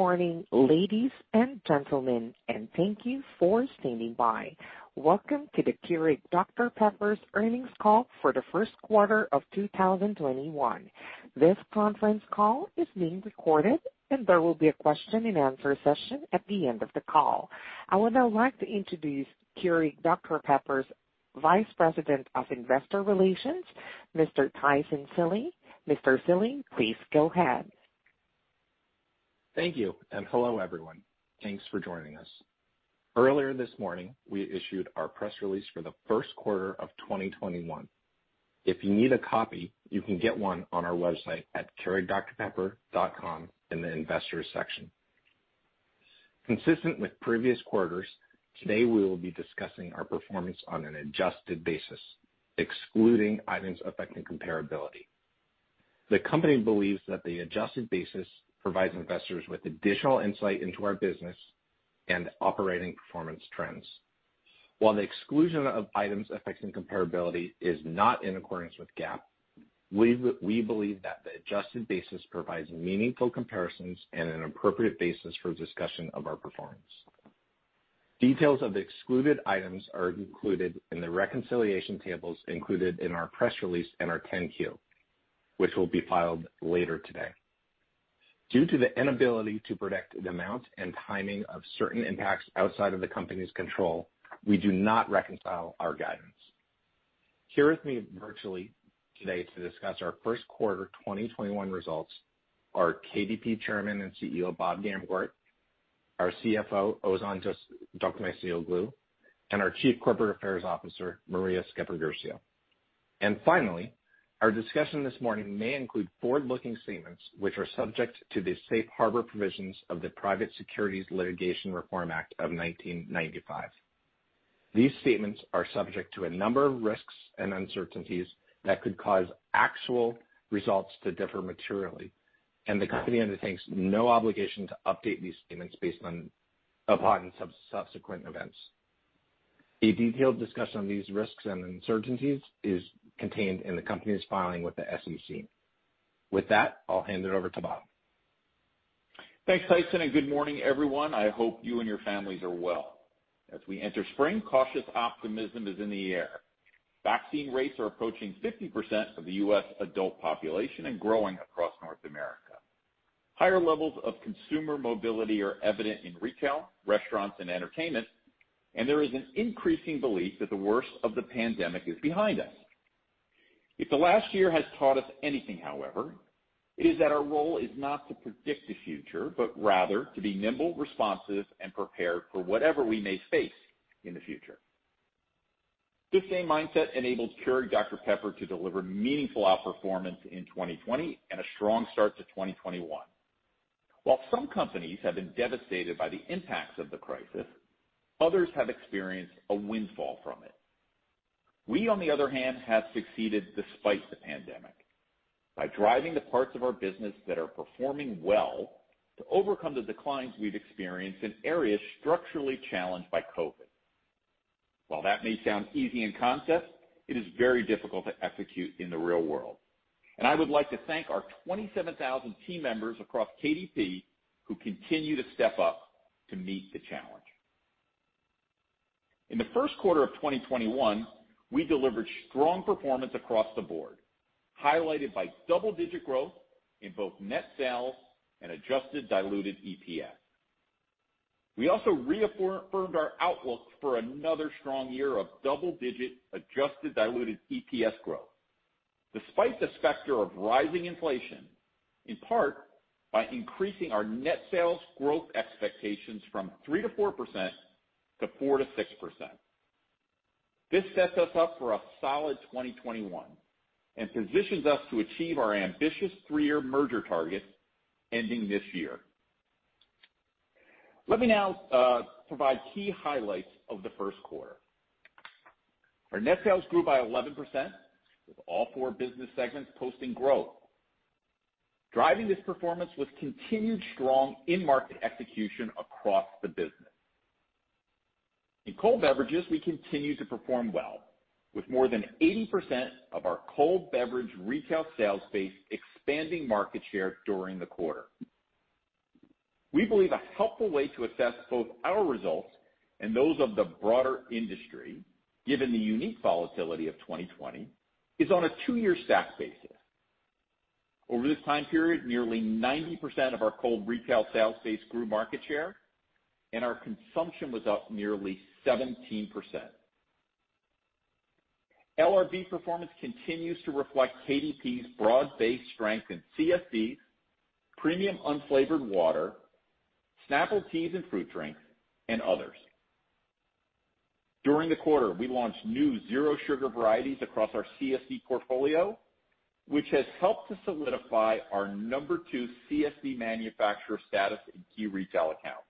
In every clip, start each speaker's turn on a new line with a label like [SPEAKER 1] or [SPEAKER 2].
[SPEAKER 1] Good morning, ladies and gentlemen, and thank you for standing by. Welcome to the Keurig Dr Pepper's earnings call for the first quarter of 2021. This conference call is being recorded, and there will be a question and answer session at the end of the call. I would now like to introduce Keurig Dr Pepper's Vice President of Investor Relations, Mr. Tyson Seely. Mr. Seely, please go ahead.
[SPEAKER 2] Thank you, and hello, everyone. Thanks for joining us. Earlier this morning, we issued our press release for the first quarter of 2021. If you need a copy, you can get one on our website at keurigdrpepper.com in the Investors section. Consistent with previous quarters, today we will be discussing our performance on an adjusted basis, excluding items affecting comparability. The company believes that the adjusted basis provides investors with additional insight into our business and operating performance trends. While the exclusion of items affecting comparability is not in accordance with GAAP, we believe that the adjusted basis provides meaningful comparisons and an appropriate basis for discussion of our performance. Details of the excluded items are included in the reconciliation tables included in our press release and our 10-Q, which will be filed later today. Due to the inability to predict the amount and timing of certain impacts outside of the company's control, we do not reconcile our guidance. Here with me virtually today to discuss our Q1 2021 results are KDP Chairman and CEO, Bob Gamgort, our CFO, Ozan Dokmecioglu, and our Chief Corporate Affairs Officer, Maria Sceppaguercio. Finally, our discussion this morning may include forward-looking statements which are subject to the safe harbor provisions of the Private Securities Litigation Reform Act of 1995. These statements are subject to a number of risks and uncertainties that could cause actual results to differ materially, and the company undertakes no obligation to update these statements based upon subsequent events. A detailed discussion of these risks and uncertainties is contained in the company's filing with the SEC. I'll hand it over to Bob.
[SPEAKER 3] Thanks, Tyson, and good morning, everyone. I hope you and your families are well. As we enter spring, cautious optimism is in the air. Vaccine rates are approaching 50% of the U.S. adult population and growing across North America. Higher levels of consumer mobility are evident in retail, restaurants, and entertainment, and there is an increasing belief that the worst of the pandemic is behind us. If the last year has taught us anything, however, it is that our role is not to predict the future, but rather to be nimble, responsive, and prepared for whatever we may face in the future. This same mindset enabled Keurig Dr Pepper to deliver meaningful outperformance in 2020 and a strong start to 2021. While some companies have been devastated by the impacts of the crisis, others have experienced a windfall from it. We, on the other hand, have succeeded despite the pandemic by driving the parts of our business that are performing well to overcome the declines we've experienced in areas structurally challenged by COVID. While that may sound easy in concept, it is very difficult to execute in the real world. I would like to thank our 27,000 team members across KDP who continue to step up to meet the challenge. In the first quarter of 2021, we delivered strong performance across the board, highlighted by double-digit growth in both net sales and adjusted diluted EPS. We also reaffirmed our outlook for another strong year of double-digit adjusted diluted EPS growth. Despite the specter of rising inflation, in part by increasing our net sales growth expectations from 3%-4% to 4%-6%. This sets us up for a solid 2021 and positions us to achieve our ambitious three-year merger target ending this year. Let me now provide key highlights of the first quarter. Our net sales grew by 11%, with all four business segments posting growth. Driving this performance was continued strong in-market execution across the business. In cold beverages, we continue to perform well, with more than 80% of our cold beverage retail sales space expanding market share during the quarter. We believe a helpful way to assess both our results and those of the broader industry, given the unique volatility of 2020, is on a two-year stack basis. Over this time period, nearly 90% of our cold retail sales space grew market share, and our consumption was up nearly 17%. LRB performance continues to reflect KDP's broad-based strength in CSDs, premium unflavored water, Snapple teas and fruit drinks, and others. During the quarter, we launched new zero sugar varieties across our CSD portfolio, which has helped to solidify our number two CSD manufacturer status in key retail accounts.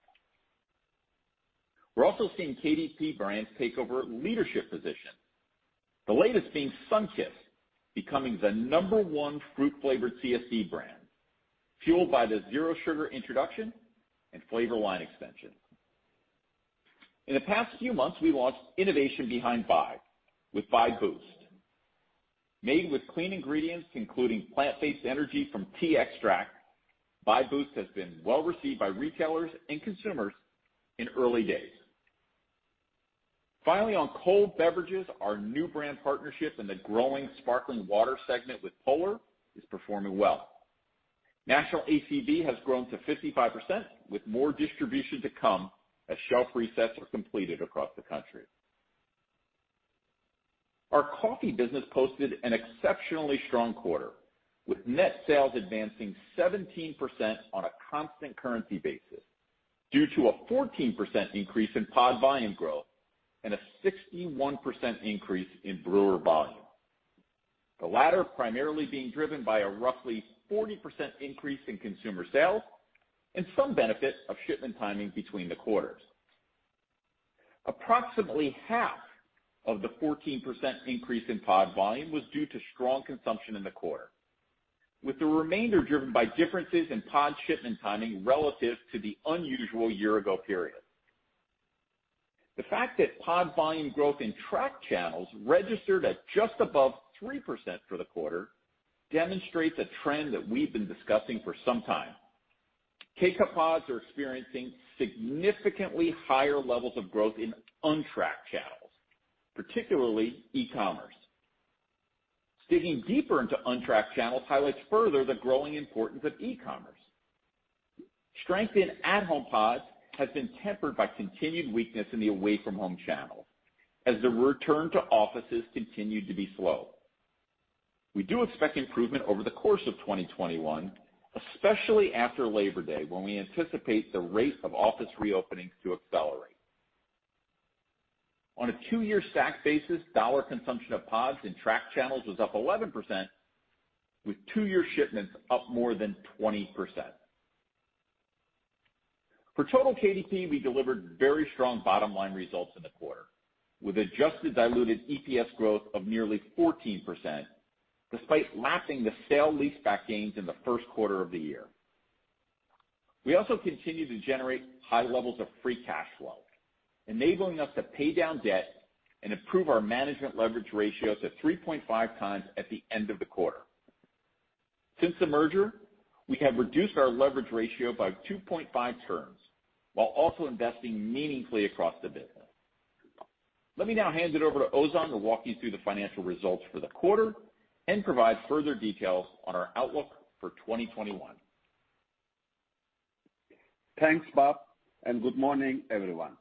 [SPEAKER 3] We're also seeing KDP brands take over leadership positions, the latest being Sunkist becoming the number one fruit-flavored CSD brand, fueled by the zero sugar introduction and flavor line extension. In the past few months, we launched innovation behind Bai with Bai Boost. Made with clean ingredients, including plant-based energy from tea extract, Bai Boost has been well received by retailers and consumers in early days. Finally, on cold beverages, our new brand partnership in the growing sparkling water segment with Polar is performing well. National ACV has grown to 55%, with more distribution to come as shelf resets are completed across the country. Our coffee business posted an exceptionally strong quarter, with net sales advancing 17% on a constant currency basis due to a 14% increase in pod volume growth and a 61% increase in brewer volume. The latter primarily being driven by a roughly 40% increase in consumer sales and some benefit of shipment timing between the quarters. Approximately half of the 14% increase in pod volume was due to strong consumption in the quarter, with the remainder driven by differences in pod shipment timing relative to the unusual year ago period. The fact that pod volume growth in track channels registered at just above 3% for the quarter demonstrates a trend that we've been discussing for some time. K-Cup pods are experiencing significantly higher levels of growth in untracked channels, particularly e-commerce. Digging deeper into untracked channels highlights further the growing importance of e-commerce. Strength in at-home pods has been tempered by continued weakness in the away-from-home channel as the return to offices continued to be slow. We do expect improvement over the course of 2021, especially after Labor Day, when we anticipate the rate of office reopenings to accelerate. On a two-year stack basis, dollar consumption of pods in track channels was up 11%, with two-year shipments up more than 20%. For total KDP, we delivered very strong bottom-line results in the quarter, with adjusted diluted EPS growth of nearly 14%, despite lapping the sale-leaseback gains in the first quarter of the year. We also continue to generate high levels of free cash flow, enabling us to pay down debt and improve our management leverage ratios to 3.5x at the end of the quarter. Since the merger, we have reduced our leverage ratio by 2.5 turns while also investing meaningfully across the business. Let me now hand it over to Ozan to walk you through the financial results for the quarter and provide further details on our outlook for 2021.
[SPEAKER 4] Thanks, Bob. Good morning, everyone.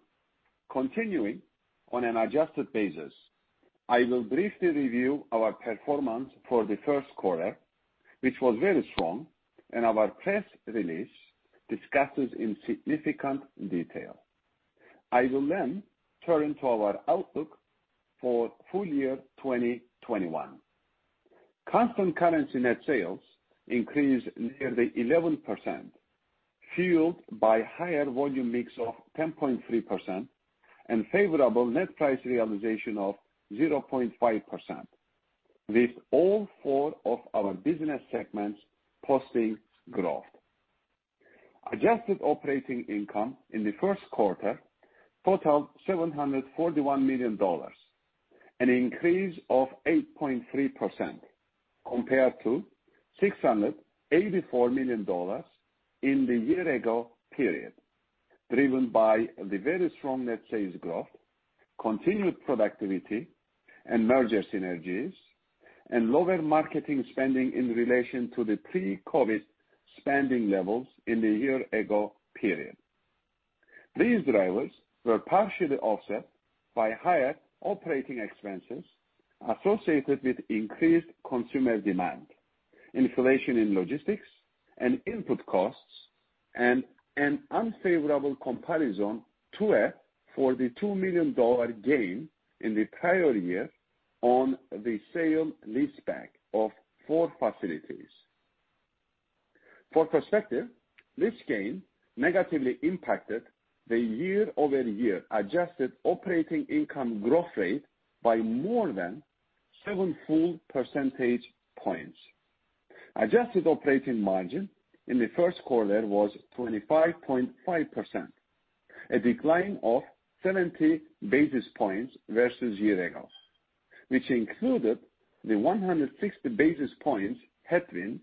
[SPEAKER 4] Continuing on an adjusted basis, I will briefly review our performance for the first quarter, which was very strong, and our press release discusses in significant detail. I will then turn to our outlook for full year 2021. Constant currency net sales increased nearly 11%, fueled by higher volume mix of 10.3% and favorable net price realization of 0.5%, with all four of our business segments posting growth. Adjusted operating income in the first quarter totaled $741 million, an increase of 8.3% compared to $684 million in the year ago period, driven by the very strong net sales growth, continued productivity and merger synergies, and lower marketing spending in relation to the pre-COVID spending levels in the year ago period. These drivers were partially offset by higher operating expenses associated with increased consumer demand, inflation in logistics and input costs, and an unfavorable comparison to a $42 million gain in the prior year on the sale leaseback of four facilities. For perspective, this gain negatively impacted the year-over-year adjusted operating income growth rate by more than 7 full percentage points. Adjusted operating margin in the first quarter was 25.5%, a decline of 70 basis points versus year ago, which included the 160 basis points headwind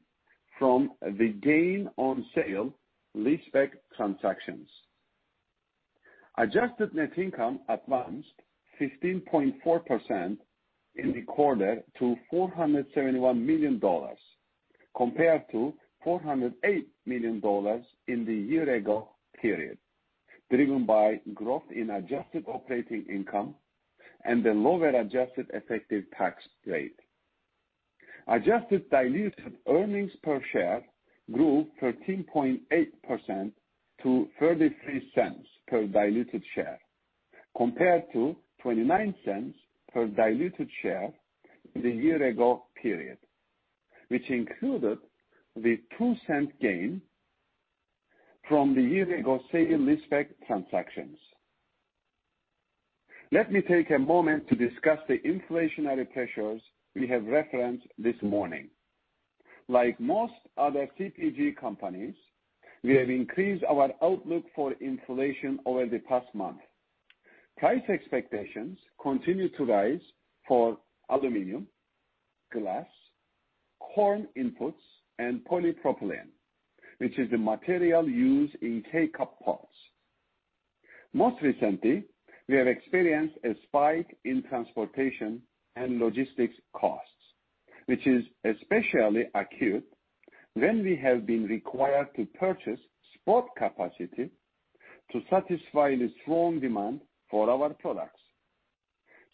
[SPEAKER 4] from the gain on sale leaseback transactions. Adjusted net income advanced 15.4% in the quarter to $471 million compared to $408 million in the year ago period, driven by growth in adjusted operating income and the lower adjusted effective tax rate. Adjusted diluted earnings per share grew 13.8% to $0.33 per diluted share compared to $0.29 per diluted share in the year ago period, which included the $0.02 gain from the year ago sale leaseback transactions. Let me take a moment to discuss the inflationary pressures we have referenced this morning. Like most other CPG companies, we have increased our outlook for inflation over the past month. Price expectations continue to rise for aluminum, glass, corn inputs, and polypropylene, which is the material used in K-Cup pods. Most recently, we have experienced a spike in transportation and logistics costs, which is especially acute when we have been required to purchase spot capacity to satisfy the strong demand for our products.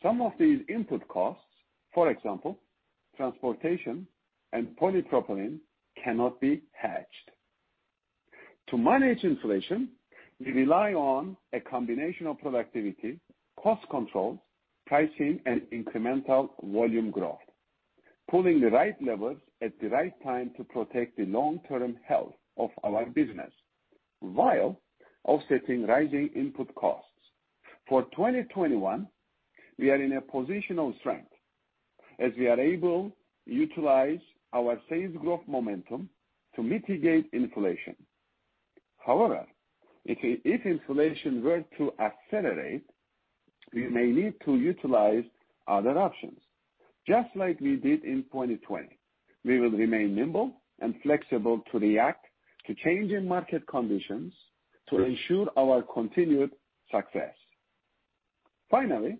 [SPEAKER 4] Some of these input costs, for example, transportation and polypropylene, cannot be hedged. To manage inflation, we rely on a combination of productivity, cost control, pricing, and incremental volume growth, pulling the right levers at the right time to protect the long-term health of our business while offsetting rising input costs. For 2021, we are in a position of strength as we are able utilize our sales growth momentum to mitigate inflation. However, if inflation were to accelerate, we may need to utilize other options. Just like we did in 2020, we will remain nimble and flexible to react to changing market conditions to ensure our continued success. Finally,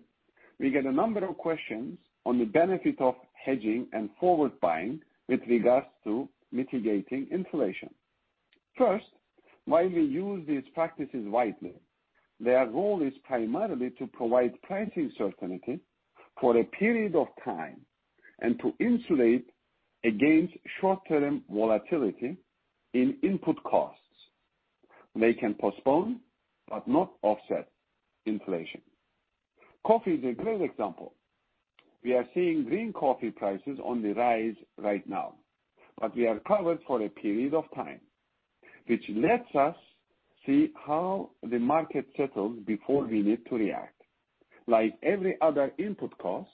[SPEAKER 4] we get a number of questions on the benefit of hedging and forward buying with regards to mitigating inflation. First, while we use these practices widely, their role is primarily to provide pricing certainty for a period of time and to insulate against short-term volatility in input costs. They can postpone but not offset inflation. Coffee is a great example. We are seeing green coffee prices on the rise right now, but we are covered for a period of time, which lets us see how the market settles before we need to react. Like every other input cost,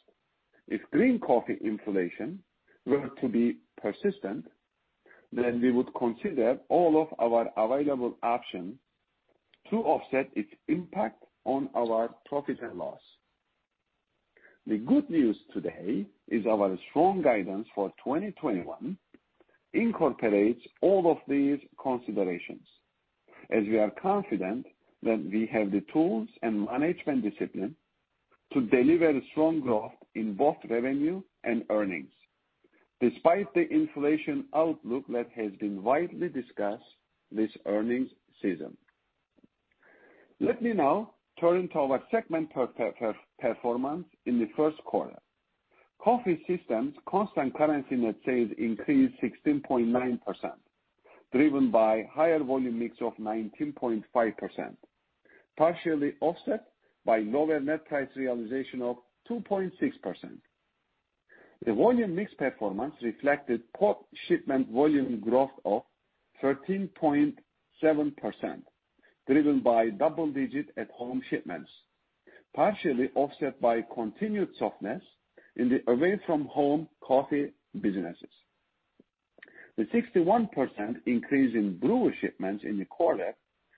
[SPEAKER 4] if green coffee inflation were to be persistent, then we would consider all of our available options to offset its impact on our profit and loss. The good news today is our strong guidance for 2021 incorporates all of these considerations, as we are confident that we have the tools and management discipline to deliver strong growth in both revenue and earnings despite the inflation outlook that has been widely discussed this earnings season. Let me now turn to our segment performance in the first quarter. Coffee Systems constant currency net sales increased 16.9%, driven by higher volume mix of 19.5%, partially offset by lower net price realization of 2.6%. The volume mix performance reflected pod shipment volume growth of 13.7%, driven by double-digit at-home shipments, partially offset by continued softness in the away-from-home coffee businesses. The 61% increase in brewer shipments in the quarter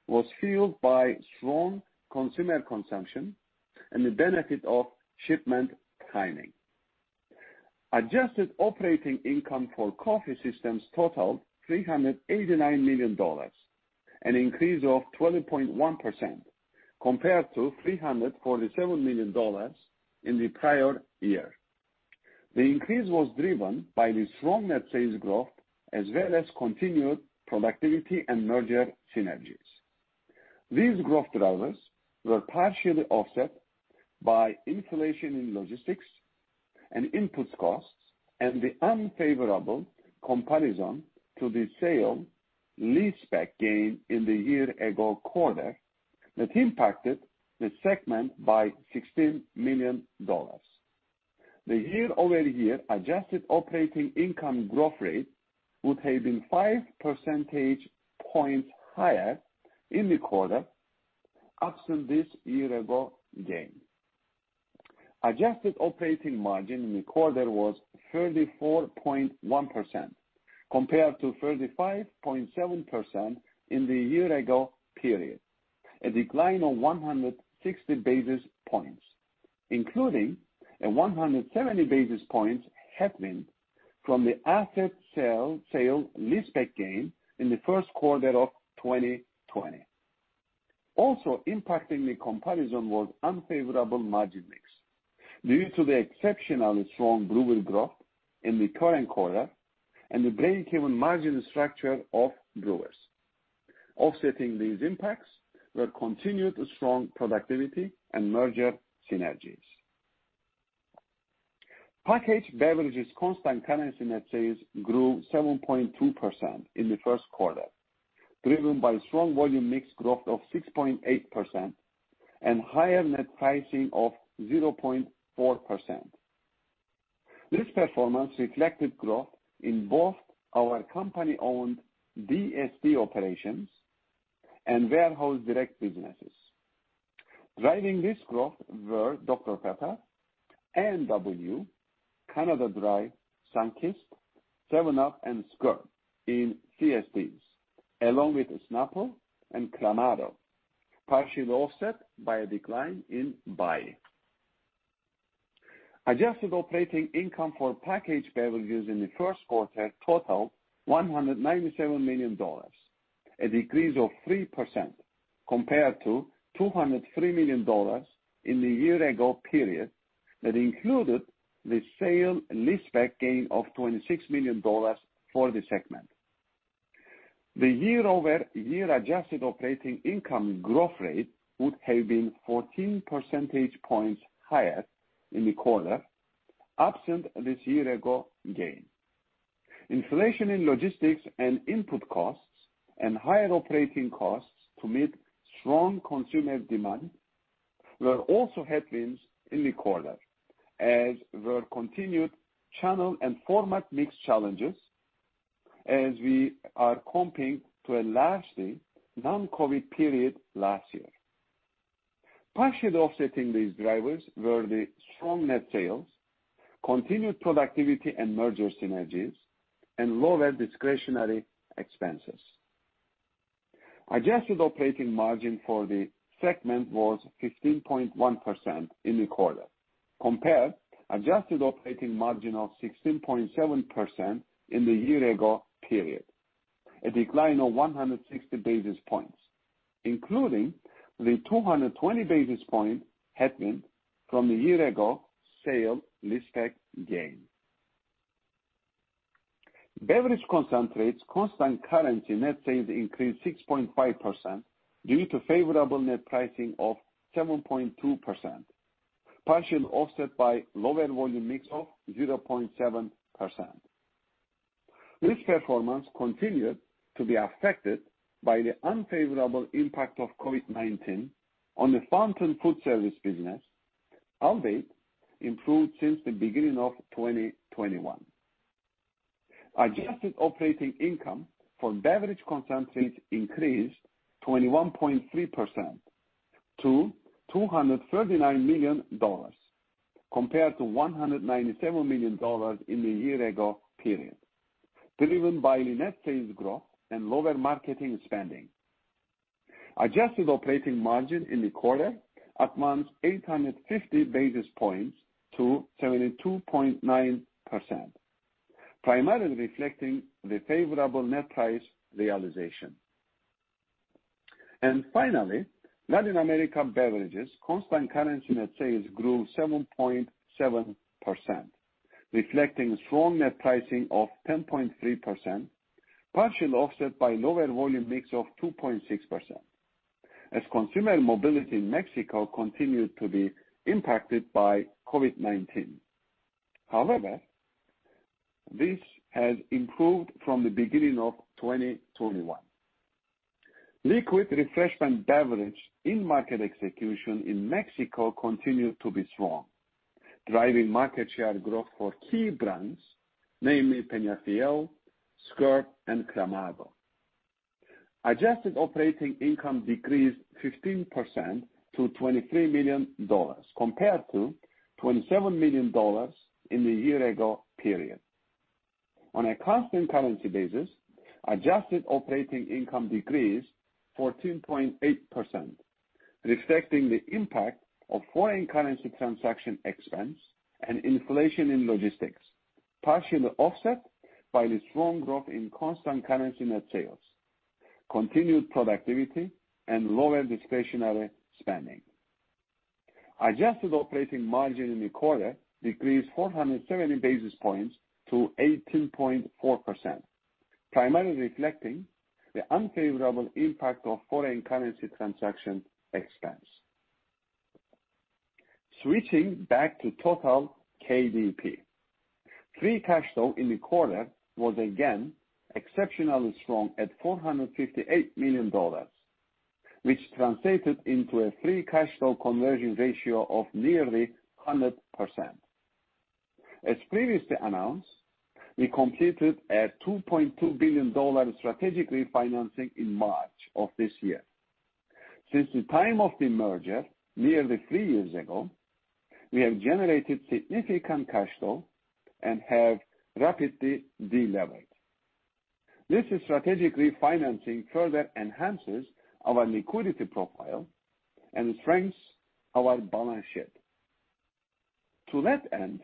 [SPEAKER 4] was fueled by strong consumer consumption and the benefit of shipment timing. Adjusted operating income for Coffee Systems totaled $389 million, an increase of 12.1% compared to $347 million in the prior year. The increase was driven by the strong net sales growth as well as continued productivity and merger synergies. These growth drivers were partially offset by inflation in logistics and input costs and the unfavorable comparison to the sale leaseback gain in the year ago quarter that impacted the segment by $16 million. The year-over-year adjusted operating income growth rate would have been 5 percentage points higher in the quarter absent this year-ago gain. Adjusted operating margin in the quarter was 34.1% compared to 35.7% in the year-ago period, a decline of 160 basis points, including a 170 basis points headwind from the asset sale leaseback gain in the first quarter of 2020. Also impacting the comparison was unfavorable margin mix due to the exceptionally strong brewer growth in the current quarter and the breakeven margin structure of brewers. Offsetting these impacts were continued strong productivity and merger synergies. Packaged beverages constant currency net sales grew 7.2% in the first quarter, driven by strong volume mix growth of 6.8% and higher net pricing of 0.4%. This performance reflected growth in both our company-owned DSD operations and warehouse direct businesses. Driving this growth were Dr Pepper, A&W, Canada Dry, Sunkist, 7UP, and Squirt in CSDs, along with Snapple and Clamato, partially offset by a decline in Bai. Adjusted operating income for packaged beverages in the first quarter totaled $197 million, a decrease of 3% compared to $203 million in the year-ago period that included the sale leaseback gain of $26 million for the segment. The year-over-year adjusted operating income growth rate would have been 14 percentage points higher in the quarter, absent this year-ago gain. Inflation in logistics and input costs and higher operating costs to meet strong consumer demand were also headwinds in the quarter, as were continued channel and format mix challenges, as we are comparing to a largely non-COVID period last year. Partially offsetting these drivers were the strong net sales, continued productivity and merger synergies, and lower discretionary expenses. Adjusted operating margin for the segment was 15.1% in the quarter, compared adjusted operating margin of 16.7% in the year-ago period, a decline of 160 basis points, including the 220 basis point headwind from the year-ago sale leaseback gain. Beverage concentrates constant currency net sales increased 6.5% due to favorable net pricing of 7.2%, partially offset by lower volume mix of 0.7%. This performance continued to be affected by the unfavorable impact of COVID-19 on the fountain food service business, albeit improved since the beginning of 2021. Adjusted operating income for beverage concentrates increased 21.3% to $239 million, compared to $197 million in the year-ago period, driven by the net sales growth and lower marketing spending. Adjusted operating margin in the quarter advanced 850 basis points to 72.9%, primarily reflecting the favorable net price realization. Finally, Latin America beverages constant currency net sales grew 7.7%, reflecting strong net pricing of 10.3%, partially offset by lower volume mix of 2.6%, as consumer mobility in Mexico continued to be impacted by COVID-19. However, this has improved from the beginning of 2021. Liquid refreshment beverage in-market execution in Mexico continued to be strong, driving market share growth for key brands, namely Peñafiel, Squirt, and Clamato. Adjusted operating income decreased 15% to $23 million compared to $27 million in the year-ago period. On a constant currency basis, adjusted operating income decreased 14.8%, reflecting the impact of foreign currency transaction expense and inflation in logistics, partially offset by the strong growth in constant currency net sales, continued productivity, and lower discretionary spending. Adjusted operating margin in the quarter decreased 470 basis points to 18.4%, primarily reflecting the unfavorable impact of foreign currency transaction expense. Switching back to total KDP. Free cash flow in the quarter was again exceptionally strong at $458 million, which translated into a free cash flow conversion ratio of nearly 100%. As previously announced, we completed a $2.2 billion strategic refinancing in March of this year. Since the time of the merger, nearly three years ago, we have generated significant cash flow and have rapidly de-levered. This strategic refinancing further enhances our liquidity profile and strengthens our balance sheet. To that end,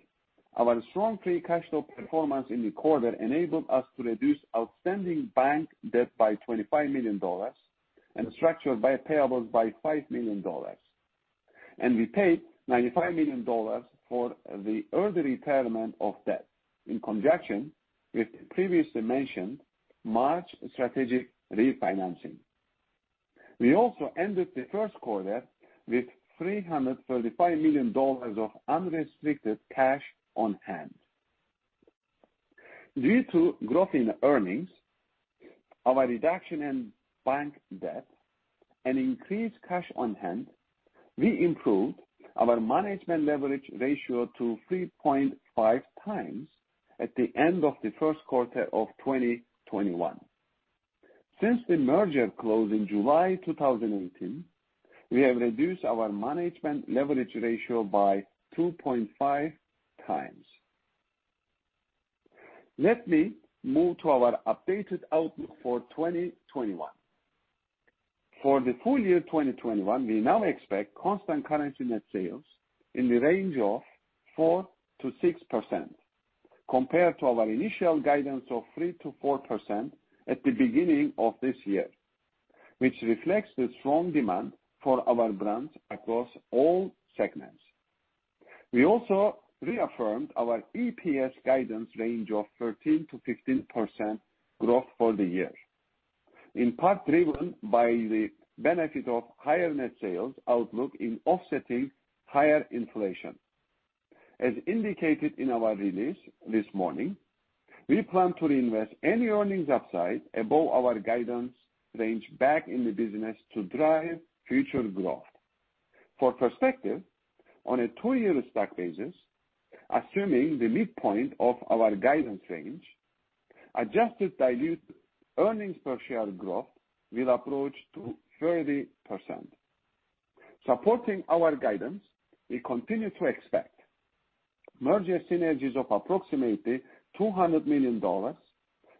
[SPEAKER 4] our strong free cash flow performance in the quarter enabled us to reduce outstanding bank debt by $25 million and structured by payables by $5 million. We paid $95 million for the early retirement of debt in conjunction with the previously mentioned March strategic refinancing. We also ended the first quarter with $335 million of unrestricted cash on hand. Due to growth in earnings, our reduction in bank debt, and increased cash on hand, we improved our management leverage ratio to 3.5x at the end of the first quarter of 2021. Since the merger closed in July 2018, we have reduced our management leverage ratio by 2.5x. Let me move to our updated outlook for 2021. For the full year 2021, we now expect constant currency net sales in the range of 4%-6%, compared to our initial guidance of 3%-4% at the beginning of this year, which reflects the strong demand for our brands across all segments. We also reaffirmed our EPS guidance range of 13%-15% growth for the year, in part driven by the benefit of higher net sales outlook in offsetting higher inflation. As indicated in our release this morning, we plan to reinvest any earnings upside above our guidance range back in the business to drive future growth. For perspective, on a two-year stack basis, assuming the midpoint of our guidance range, adjusted diluted earnings per share growth will approach 30%. Supporting our guidance, we continue to expect merger synergies of approximately $200 million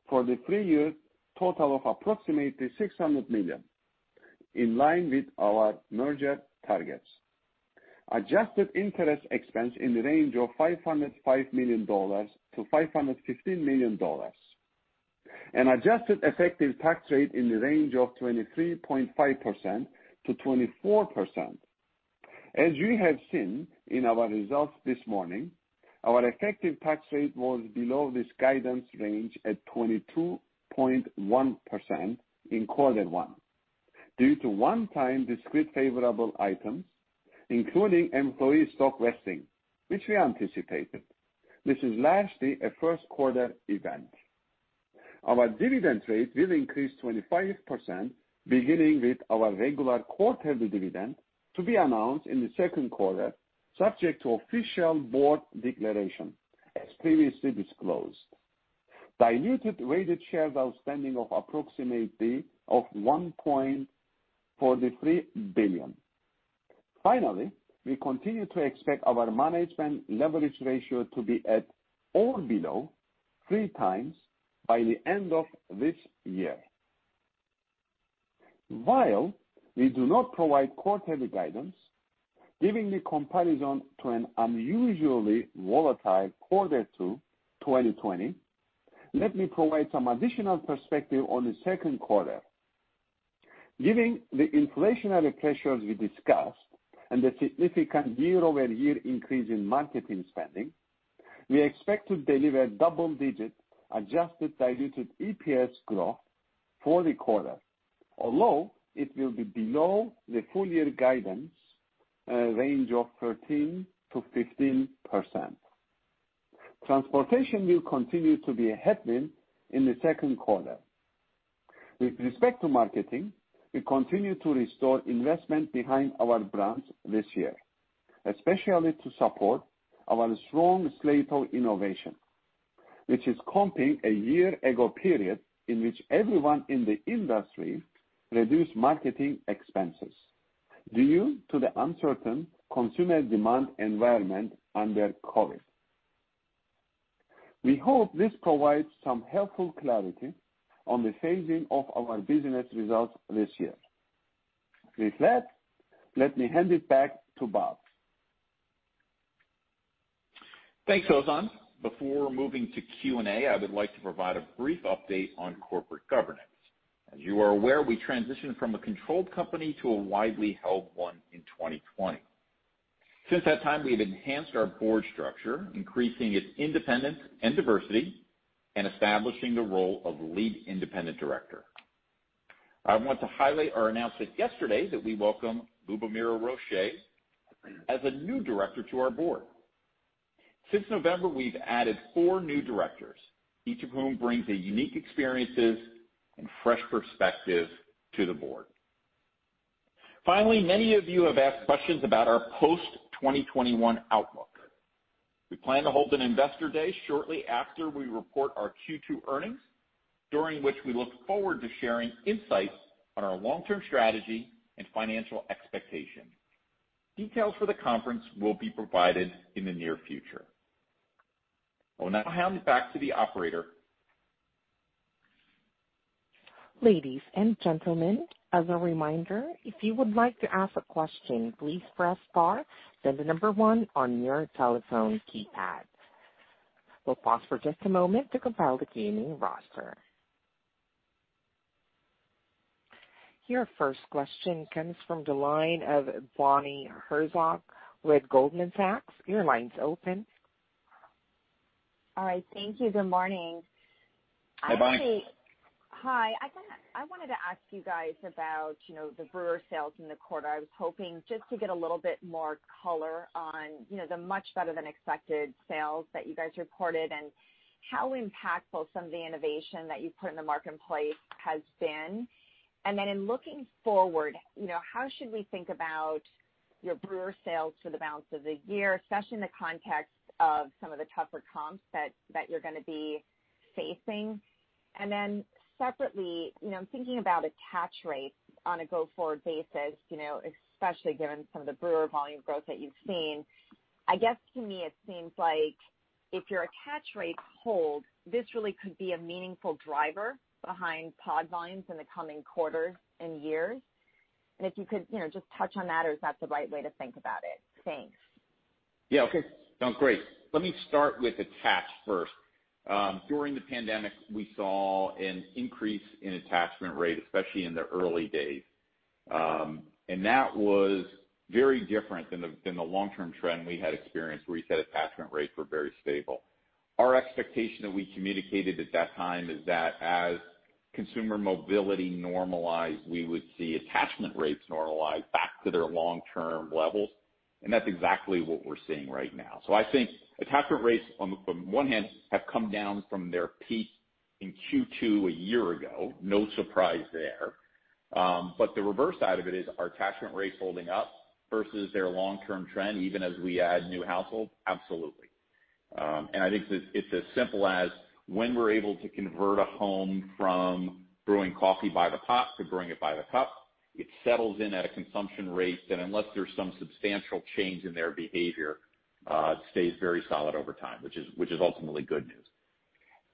[SPEAKER 4] for the three-year total of approximately $600 million, in line with our merger targets. Adjusted interest expense in the range of $505 million-$515 million. An adjusted effective tax rate in the range of 23.5%-24%. As you have seen in our results this morning, our effective tax rate was below this guidance range at 22.1% in Q1 due to one-time discrete favorable items, including employee stock vesting, which we anticipated. This is largely a first quarter event. Our dividend rate will increase 25%, beginning with our regular quarterly dividend to be announced in the second quarter, subject to official board declaration, as previously disclosed. Diluted weighted shares outstanding of approximately $1.43 billion. Finally, we continue to expect our management leverage ratio to be at or below three times by the end of this year. While we do not provide quarterly guidance, giving the comparison to an unusually volatile quarter two 2020, let me provide some additional perspective on the second quarter. Giving the inflationary pressures we discussed and the significant year-over-year increase in marketing spending, we expect to deliver double-digit adjusted diluted EPS growth for the quarter, although it will be below the full year guidance, a range of 13%-15%. Transportation will continue to be a headwind in the second quarter. With respect to marketing, we continue to restore investment behind our brands this year, especially to support our strong slate of innovation, which is comping a year ago period in which everyone in the industry reduced marketing expenses due to the uncertain consumer demand environment under COVID. We hope this provides some helpful clarity on the phasing of our business results this year. With that, let me hand it back to Bob.
[SPEAKER 3] Thanks, Ozan. Before moving to Q&A, I would like to provide a brief update on corporate governance. As you are aware, we transitioned from a controlled company to a widely held one in 2020. Since that time, we have enhanced our board structure, increasing its independence and diversity, and establishing the role of lead independent director. I want to highlight our announcement yesterday that we welcome Lubomira Rochet as a new director to our board. Since November, we've added four new directors, each of whom brings a unique experiences and fresh perspective to the board. Finally, many of you have asked questions about our post-2021 outlook. We plan to hold an investor day shortly after we report our Q2 earnings, during which we look forward to sharing insights on our long-term strategy and financial expectation. Details for the conference will be provided in the near future. I will now hand it back to the operator.
[SPEAKER 1] Ladies and gentlemen, as a reminder, if you would like to ask a question, please press star, then the number one on your telephone keypad. We'll pause for just a moment to compile the queuing roster. Your first question comes from the line of Bonnie Herzog with Goldman Sachs. Your line's open.
[SPEAKER 5] All right. Thank you. Good morning.
[SPEAKER 3] Hi, Bonnie.
[SPEAKER 5] Hi. I wanted to ask you guys about the brewer sales in the quarter. I was hoping just to get a little bit more color on the much better than expected sales that you guys reported and how impactful some of the innovation that you've put in the marketplace has been. Then in looking forward, how should we think about your brewer sales for the balance of the year, especially in the context of some of the tougher comps that you're going to be facing? Separately, I'm thinking about attach rates on a go-forward basis, especially given some of the brewer volume growth that you've seen. I guess to me, it seems like if your attach rates hold, this really could be a meaningful driver behind pod volumes in the coming quarters and years. If you could just touch on that or if that's the right way to think about it. Thanks.
[SPEAKER 3] Okay. No, great. Let me start with attach first. During the pandemic, we saw an increase in attachment rate, especially in the early days. That was very different than the long-term trend we had experienced, where we said attachment rates were very stable. Our expectation that we communicated at that time is that as consumer mobility normalized, we would see attachment rates normalize back to their long-term levels, and that's exactly what we're seeing right now. I think attachment rates, on one hand, have come down from their peak in Q2 a year ago. No surprise there. The reverse side of it is, are attachment rates holding up versus their long-term trend, even as we add new households? Absolutely. I think it's as simple as when we're able to convert a home from brewing coffee by the pot to brewing it by the cup, it settles in at a consumption rate that, unless there's some substantial change in their behavior, stays very solid over time. Which is ultimately good news.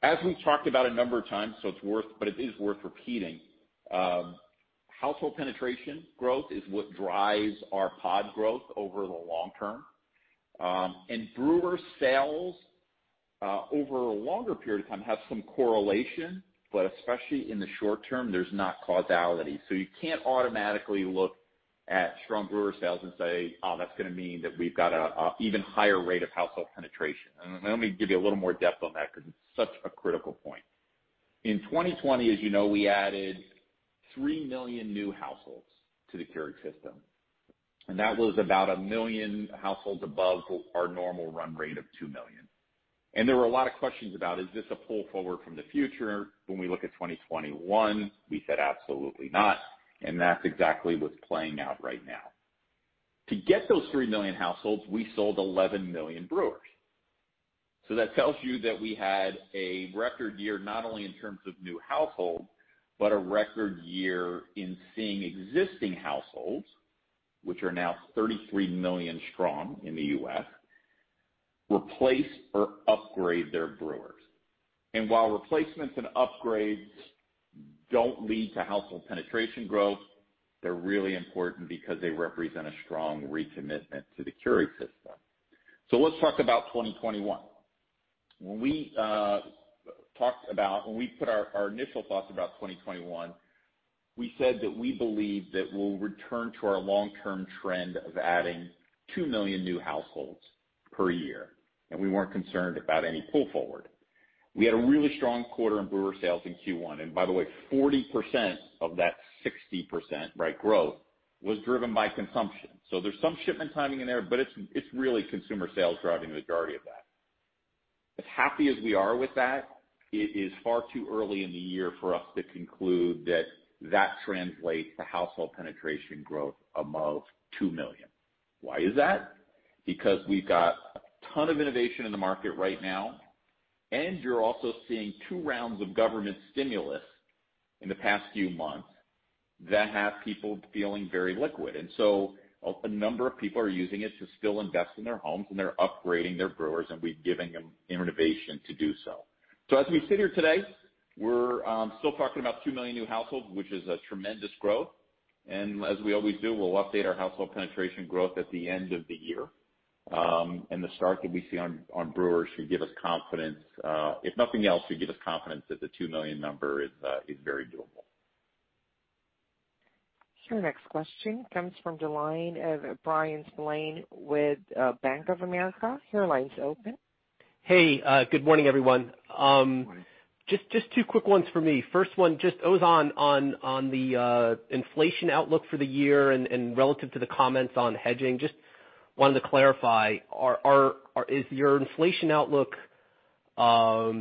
[SPEAKER 3] As we've talked about a number of times, but it is worth repeating, household penetration growth is what drives our pod growth over the long term. Brewer sales, over a longer period of time, have some correlation. Especially in the short term, there's not causality. You can't automatically look at strong brewer sales and say, "Oh, that's going to mean that we've got an even higher rate of household penetration." Let me give you a little more depth on that, because it's such a critical point. In 2020, as you know, we added 3 million new households to the Keurig system. That was about 1 million households above our normal run rate of 2 million. There were a lot of questions about, is this a pull forward from the future when we look at 2021? We said absolutely not. That's exactly what's playing out right now. To get those 3 million households, we sold 11 million brewers. That tells you that we had a record year, not only in terms of new households, but a record year in seeing existing households, which are now 33 million strong in the U.S., replace or upgrade their brewers. While replacements and upgrades don't lead to household penetration growth, they're really important because they represent a strong recommitment to the Keurig system. Let's talk about 2021. When we put our initial thoughts about 2021, we said that we believe that we'll return to our long-term trend of adding 2 million new households per year. We weren't concerned about any pull forward. We had a really strong quarter in brewer sales in Q1. By the way, 40% of that 60% growth was driven by consumption. There's some shipment timing in there, but it's really consumer sales driving the majority of that. As happy as we are with that, it is far too early in the year for us to conclude that that translates to household penetration growth above 2 million. Why is that? We've got a ton of innovation in the market right now. You're also seeing two rounds of government stimulus in the past few months that have people feeling very liquid. A number of people are using it to still invest in their homes, and they're upgrading their brewers, and we're giving them innovation to do so. As we sit here today, we're still talking about 2 million new households, which is a tremendous growth. As we always do, we'll update our household penetration growth at the end of the year. The start that we see on brewers should give us confidence. If nothing else, should give us confidence that the 2 million number is very doable.
[SPEAKER 1] Your next question comes from the line of Bryan Spillane with Bank of America. Your line's open.
[SPEAKER 6] Hey, good morning, everyone.
[SPEAKER 3] Good morning.
[SPEAKER 6] Just two quick ones for me. First one, just Ozan on the inflation outlook for the year and relative to the comments on hedging, just wanted to clarify, is your inflation outlook hedged?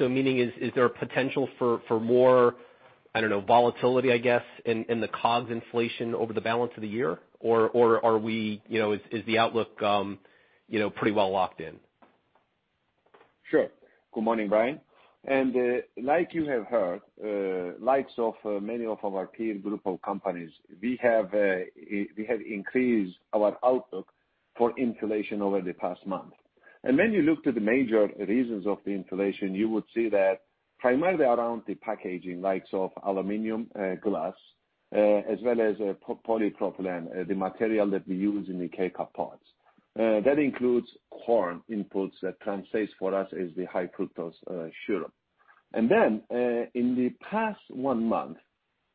[SPEAKER 6] Meaning, is there a potential for more, I don't know, volatility, I guess, in the COGS inflation over the balance of the year, or is the outlook pretty well locked in?
[SPEAKER 4] Sure. Good morning, Bryan. Like you have heard, likes of many of our peer group of companies, we have increased our outlook for inflation over the past one month. When you look to the major reasons of the inflation, you would see that primarily around the packaging likes of aluminum glass as well as polypropylene, the material that we use in the K-Cup pods. That includes corn inputs that translates for us as the high fructose syrup. In the past one month,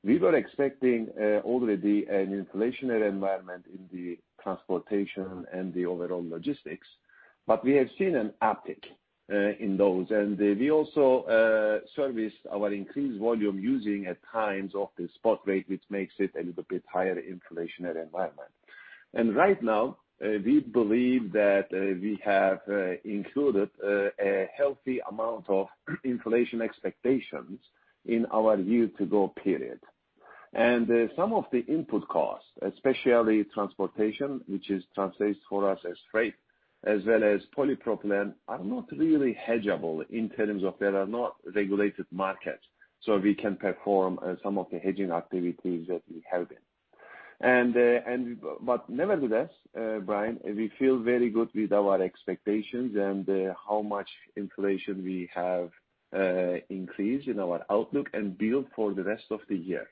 [SPEAKER 4] we were expecting already an inflationary environment in the transportation and the overall logistics, we have seen an uptick in those. We also service our increased volume using, at times, of the spot rate, which makes it a little bit higher inflationary environment. Right now, we believe that we have included a healthy amount of inflation expectations in our view to go period. Some of the input costs, especially transportation, which is translates for us as freight, as well as polypropylene, are not really hedgeable in terms of they are not regulated markets, so we can perform some of the hedging activities that we have been. Nevertheless, Bryan, we feel very good with our expectations and how much inflation we have increased in our outlook and build for the rest of the year.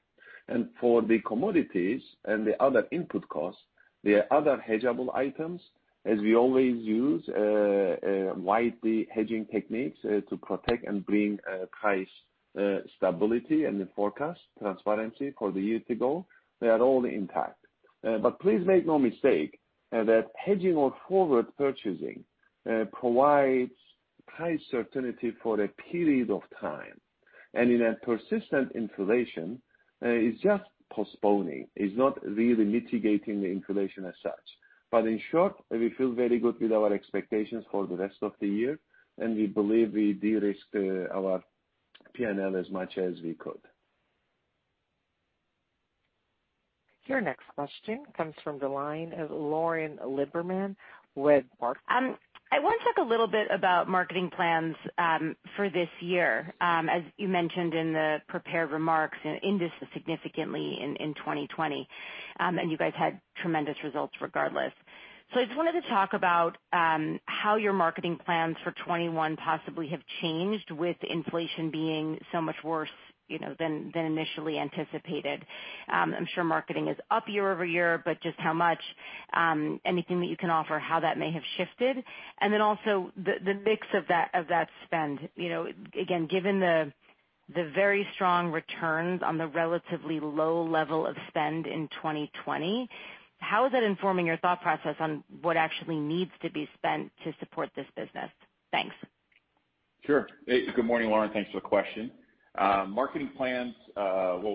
[SPEAKER 4] For the commodities and the other input costs, the other hedgeable items, as we always use widely hedging techniques to protect and bring price stability in the forecast transparency for the year to go, they are all intact. Please make no mistake that hedging or forward purchasing provides high certainty for a period of time, and in a persistent inflation, is just postponing, is not really mitigating the inflation as such. In short, we feel very good with our expectations for the rest of the year, and we believe we de-risked our P&L as much as we could.
[SPEAKER 1] Your next question comes from the line of Lauren Lieberman with Barclays.
[SPEAKER 7] I want to talk a little bit about marketing plans for this year. As you mentioned in the prepared remarks, industry significantly in 2020, and you guys had tremendous results regardless. I just wanted to talk about how your marketing plans for 2021 possibly have changed with inflation being so much worse than initially anticipated. I'm sure marketing is up year-over-year, but just how much? Anything that you can offer how that may have shifted? Also the mix of that spend. Again, given the very strong returns on the relatively low level of spend in 2020, how is that informing your thought process on what actually needs to be spent to support this business. Thanks.
[SPEAKER 3] Sure. Good morning, Lauren. Thanks for the question. Well,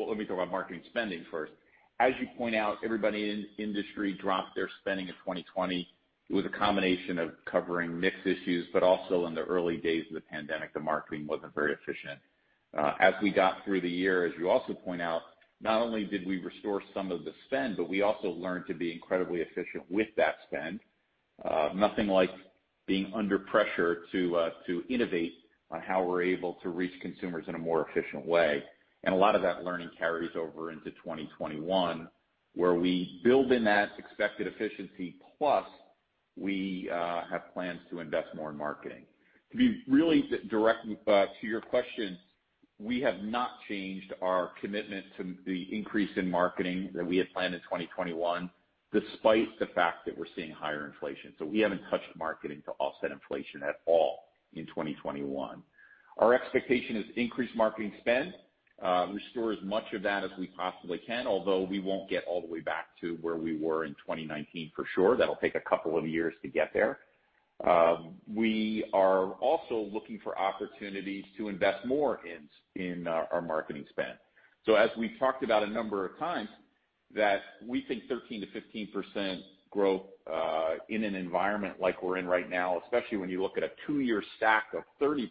[SPEAKER 3] let me talk about marketing spending first. As you point out, everybody in industry dropped their spending in 2020. It was a combination of covering mix issues, but also in the early days of the pandemic, the marketing wasn't very efficient. As we got through the year, as you also point out, not only did we restore some of the spend, but we also learned to be incredibly efficient with that spend. Nothing like being under pressure to innovate on how we're able to reach consumers in a more efficient way. A lot of that learning carries over into 2021, where we build in that expected efficiency plus we have plans to invest more in marketing. To be really direct to your question, we have not changed our commitment to the increase in marketing that we had planned in 2021, despite the fact that we're seeing higher inflation. We haven't touched marketing to offset inflation at all in 2021. Our expectation is increased marketing spend, restore as much of that as we possibly can, although we won't get all the way back to where we were in 2019, for sure. That'll take a couple of years to get there. We are also looking for opportunities to invest more in our marketing spend. As we've talked about a number of times, that we think 13%-15% growth, in an environment like we're in right now, especially when you look at a two-year stack of 30%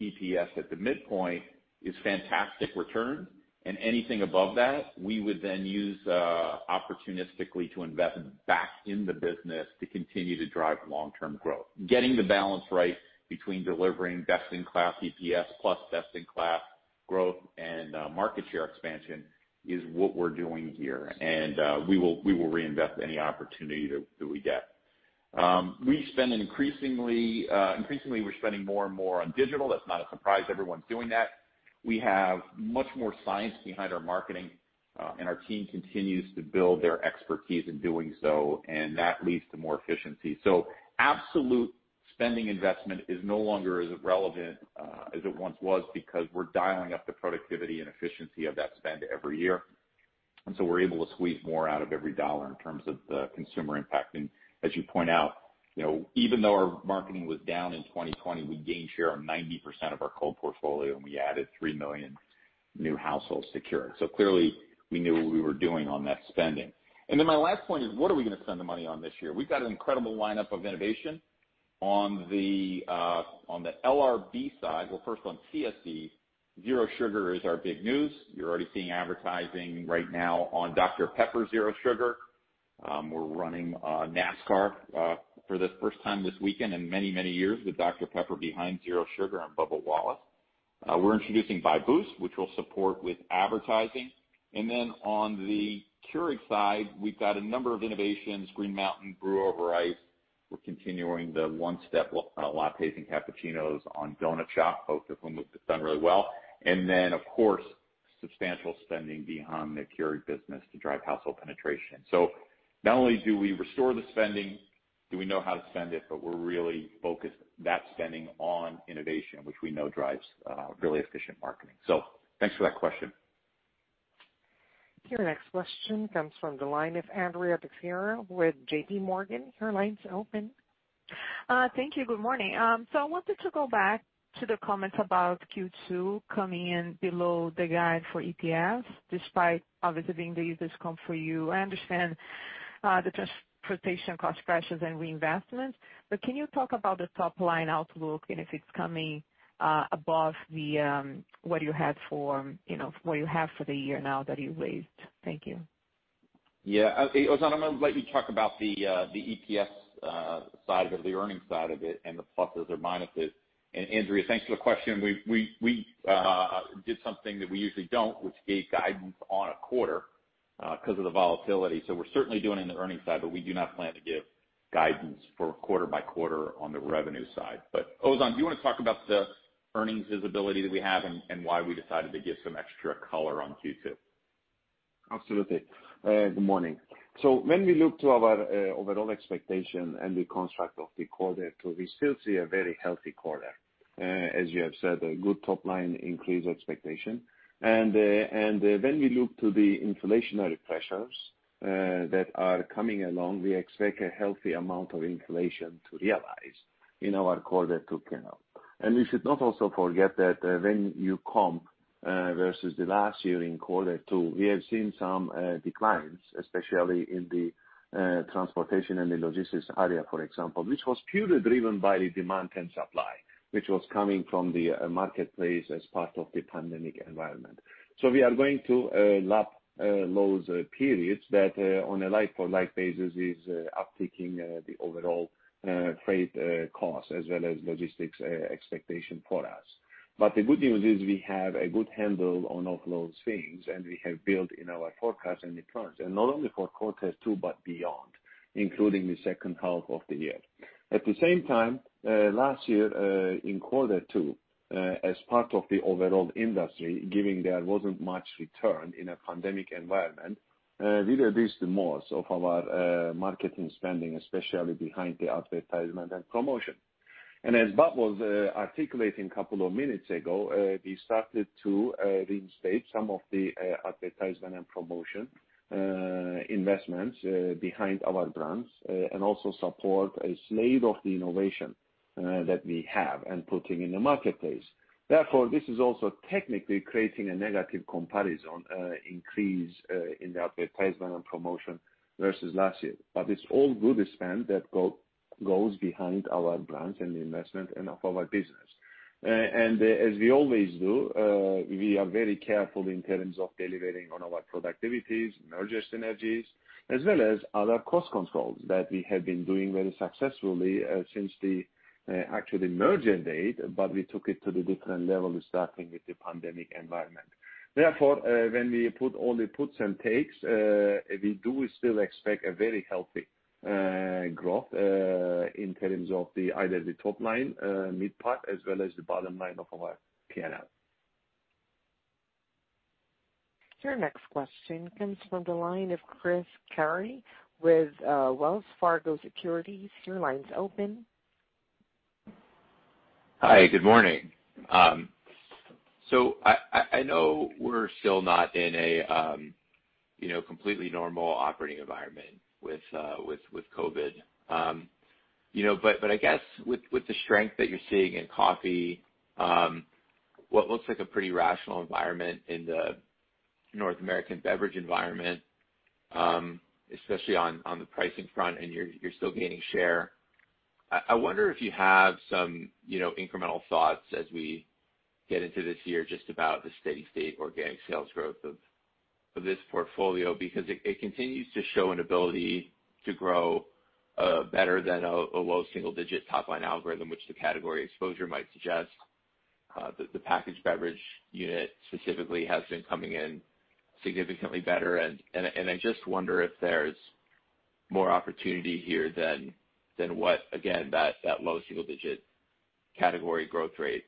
[SPEAKER 3] EPS at the midpoint, is fantastic return. Anything above that, we would then use opportunistically to invest back in the business to continue to drive long-term growth. Getting the balance right between delivering best-in-class EPS plus best-in-class growth and market share expansion is what we're doing here, and we will reinvest any opportunity that we get. Increasingly, we're spending more and more on digital. That's not a surprise. Everyone's doing that. We have much more science behind our marketing, and our team continues to build their expertise in doing so, and that leads to more efficiency. Absolute spending investment is no longer as relevant as it once was because we're dialing up the productivity and efficiency of that spend every year. We're able to squeeze more out of every dollar in terms of the consumer impact. As you point out, even though our marketing was down in 2020, we gained share on 90% of our cold portfolio, and we added 3 million new households to Keurig. Clearly, we knew what we were doing on that spending. My last point is what are we going to spend the money on this year? We've got an incredible lineup of innovation on the LRB side. First on CSD, zero sugar is our big news. You're already seeing advertising right now on Dr Pepper Zero Sugar. We're running NASCAR for the first time this weekend in many, many years with Dr Pepper behind Zero Sugar on Bubba Wallace. We're introducing Bai Boost, which we'll support with advertising. On the Keurig side, we've got a number of innovations, Green Mountain, Brew Over Ice. We're continuing the one-step lattes and cappuccinos on Donut Shop, both of whom have done really well. Of course, substantial spending behind the Keurig business to drive household penetration. Not only do we restore the spending, do we know how to spend it, but we're really focused that spending on innovation, which we know drives really efficient marketing. Thanks for that question.
[SPEAKER 1] Your next question comes from the line of Andrea Teixeira with JPMorgan. Your line's open.
[SPEAKER 8] Thank you. Good morning. I wanted to go back to the comments about Q2 coming in below the guide for EPS, despite obviously being the easiest comp for you. I understand the transportation cost pressures and reinvestments, can you talk about the top-line outlook and if it's coming above what you have for the year now that you've raised? Thank you.
[SPEAKER 3] Ozan, I'm going to let you talk about the EPS side of it, the earnings side of it, and the pluses or minuses. Andrea, thanks for the question. We did something that we usually don't, which gave guidance on a quarter because of the volatility. We're certainly doing it in the earnings side, but we do not plan to give guidance for quarter by quarter on the revenue side. Ozan, do you want to talk about the earnings visibility that we have and why we decided to give some extra color on Q2?
[SPEAKER 4] Absolutely. Good morning. When we look to our overall expectation and the construct of the quarter two, we still see a very healthy quarter. When we look to the inflationary pressures that are coming along, we expect a healthy amount of inflation to realize in our quarter two P&L. We should not also forget that when you comp versus the last year in quarter two, we have seen some declines, especially in the transportation and the logistics area, for example, which was purely driven by the demand and supply, which was coming from the marketplace as part of the pandemic environment. We are going to lap those periods that on a like-for-like basis is uptaking the overall freight cost as well as logistics expectation for us. The good news is we have a good handle on all those things, and we have built in our forecast and declines. Not only for quarter two, but beyond, including the second half of the year. At the same time, last year, in quarter two, as part of the overall industry, given there wasn't much return in a pandemic environment, we reduced the most of our marketing spending, especially behind the advertisement and promotion. As Bob was articulating a couple of minutes ago, we started to reinstate some of the advertisement and promotion investments behind our brands, and also support a slate of the innovation that we have and putting in the marketplace. Therefore, this is also technically creating a negative comparison increase in the advertisement and promotion versus last year. It's all good spend that goes behind our brands and the investment and of our business. As we always do, we are very careful in terms of delivering on our productivities, merger synergies, as well as other cost controls that we have been doing very successfully since the actual merger date, but we took it to the different level starting with the pandemic environment. When we put all the puts and takes, we do still expect a very healthy growth in terms of either the top line, mid part, as well as the bottom line of our P&L.
[SPEAKER 1] Your next question comes from the line of Chris Carey with Wells Fargo Securities. Your line's open.
[SPEAKER 9] Hi, good morning. I know we're still not in a completely normal operating environment with COVID. I guess with the strength that you're seeing in coffee, what looks like a pretty rational environment in the North American beverage environment, especially on the pricing front, and you're still gaining share. I wonder if you have some incremental thoughts as we get into this year just about the steady state organic sales growth of this portfolio, because it continues to show an ability to grow better than a low single-digit top-line algorithm, which the category exposure might suggest. The packaged beverage unit specifically has been coming in significantly better, and I just wonder if there's more opportunity here than what, again, that low single-digit category growth rate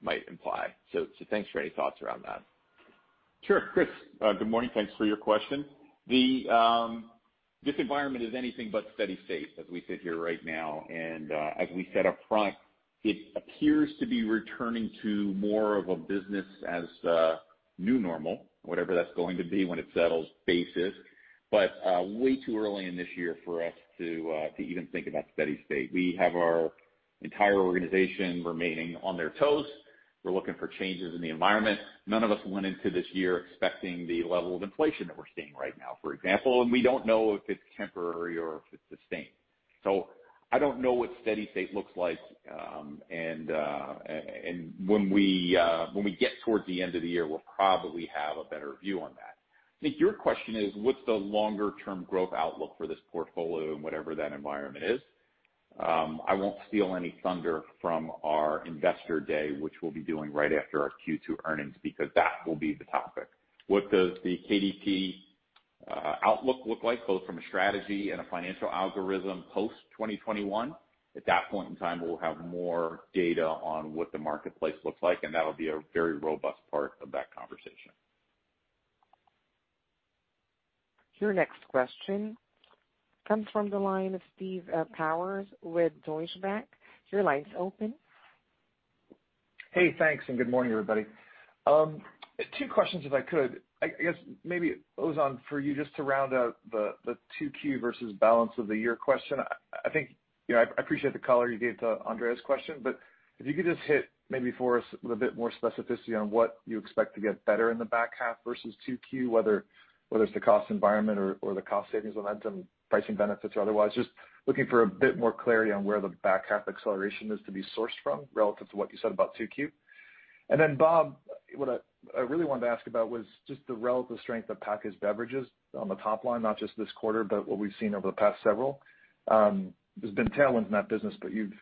[SPEAKER 9] might imply. Thanks for any thoughts around that.
[SPEAKER 3] Sure. Chris, good morning. Thanks for your question. This environment is anything but steady state as we sit here right now, and as we said up front, it appears to be returning to more of a business as a new normal, whatever that's going to be when it settles basis. Way too early in this year for us to even think about steady state. We have our entire organization remaining on their toes. We're looking for changes in the environment. None of us went into this year expecting the level of inflation that we're seeing right now, for example, and we don't know if it's temporary or if it's sustained. I don't know what steady state looks like, and when we get towards the end of the year, we'll probably have a better view on that. I think your question is, what's the longer-term growth outlook for this portfolio and whatever that environment is? I won't steal any thunder from our investor day, which we'll be doing right after our Q2 earnings, because that will be the topic. What does the KDP outlook look like, both from a strategy and a financial algorithm post 2021? At that point in time, we'll have more data on what the marketplace looks like, and that'll be a very robust part of that conversation.
[SPEAKER 1] Your next question comes from the line of Steve Powers with Deutsche Bank. Your line's open.
[SPEAKER 10] Hey, thanks, and good morning, everybody. Two questions if I could. I guess maybe, Ozan, for you just to round out the 2Q versus balance of the year question. I appreciate the color you gave to Andrea Teixeira's question, but if you could just hit maybe for us with a bit more specificity on what you expect to get better in the back half versus 2Q, whether it's the cost environment or the cost savings momentum, pricing benefits or otherwise. Just looking for a bit more clarity on where the back half acceleration is to be sourced from relative to what you said about 2Q. Then, Bob, what I really wanted to ask about was just the relative strength of packaged beverages on the top line, not just this quarter, but what we've seen over the past several. There's been tailwinds in that business, but you've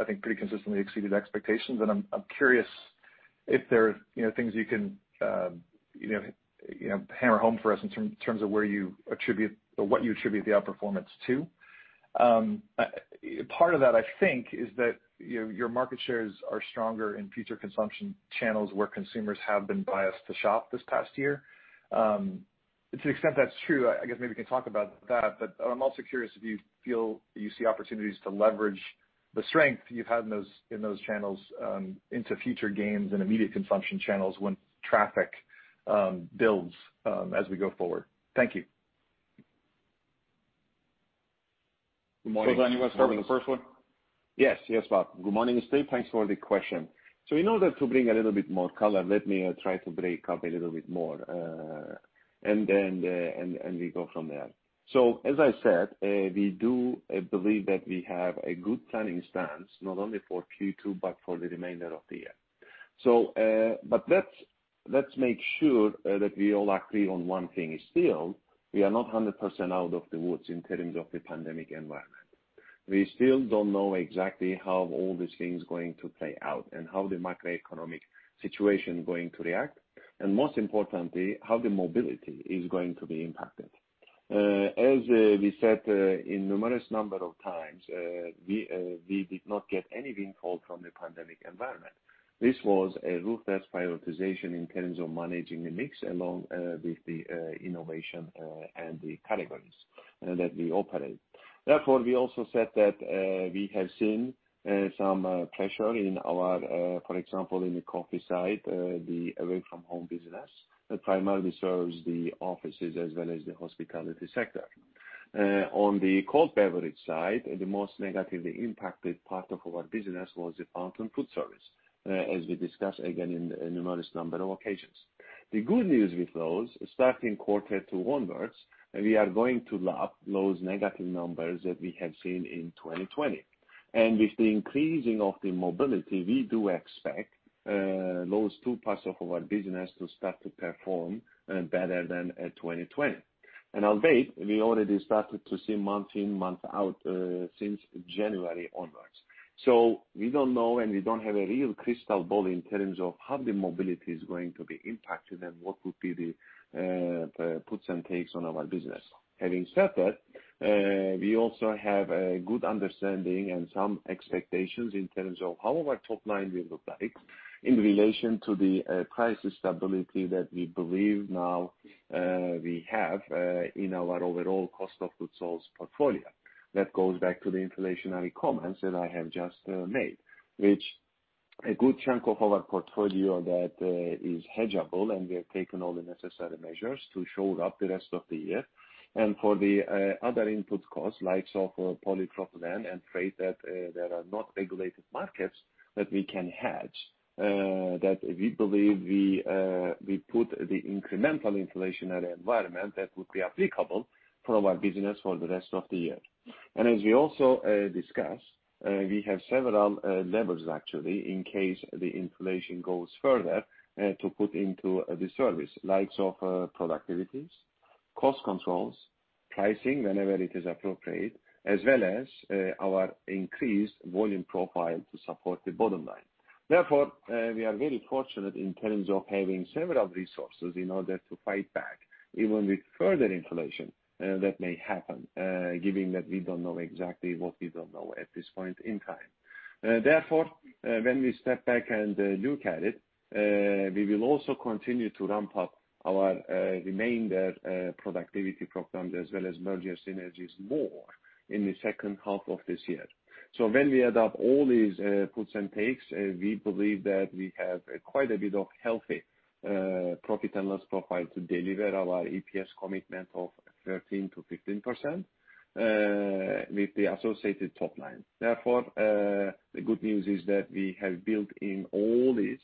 [SPEAKER 10] I think pretty consistently exceeded expectations, and I'm curious if there are things you can hammer home for us in terms of what you attribute the outperformance to. Part of that, I think, is that your market shares are stronger in future consumption channels where consumers have been biased to shop this past year. To the extent that's true, I guess maybe you can talk about that, but I'm also curious if you feel that you see opportunities to leverage the strength you've had in those channels into future gains in immediate consumption channels when traffic builds as we go forward. Thank you.
[SPEAKER 4] Good morning.
[SPEAKER 3] Ozan, you want to start with the first one?
[SPEAKER 4] Yes, Bob. Good morning, Steve. Thanks for the question. In order to bring a little bit more color, let me try to break up a little bit more, and we go from there. As I said, we do believe that we have a good planning stance, not only for Q2 but for the remainder of the year. Let's make sure that we all agree on one thing still, we are not 100% out of the woods in terms of the pandemic environment. We still don't know exactly how all these things going to play out and how the macroeconomic situation going to react, and most importantly, how the mobility is going to be impacted. As we said in numerous number of times, we did not get any windfall from the pandemic environment. This was a ruthless prioritization in terms of managing the mix, along with the innovation and the categories that we operate. Therefore, we also said that we have seen some pressure for example, in the coffee side, the away-from-home business that primarily serves the offices as well as the hospitality sector. On the cold beverage side, the most negatively impacted part of our business was the fountain food service, as we discussed again on numerous number of occasions. The good news with those, starting quarter two onwards, we are going to lap those negative numbers that we have seen in 2020. With the increasing of the mobility, we do expect those two parts of our business to start to perform better than 2020. Albeit, we already started to see month in, month out, since January onwards. We don't know, and we don't have a real crystal ball in terms of how the mobility is going to be impacted and what would be the puts and takes on our business. Having said that, we also have a good understanding and some expectations in terms of how our top line will look like in relation to the price stability that we believe now we have in our overall cost of goods sold portfolio. That goes back to the inflationary comments that I have just made. Which a good chunk of our portfolio that is hedgeable, and we have taken all the necessary measures to shore up the rest of the year. For the other input costs, likes of polypropylene and freight that are not regulated markets that we can hedge, that we believe we put the incremental inflationary environment that would be applicable for our business for the rest of the year. As we also discussed, we have several levers actually, in case the inflation goes further to put into the service. Likes of productivities, cost controls, pricing whenever it is appropriate, as well as our increased volume profile to support the bottom line. Therefore, we are very fortunate in terms of having several resources in order to fight back, even with further inflation that may happen, given that we don't know exactly what we don't know at this point in time. Therefore, when we step back and look at it, we will also continue to ramp up our remainder productivity programs as well as merger synergies more in the second half of this year. When we add up all these puts and takes, we believe that we have quite a bit of healthy profit and loss profile to deliver our EPS commitment of 13%-15% with the associated top line. Therefore, the good news is that we have built in all these,